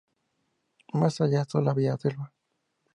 Más allá solo había selva.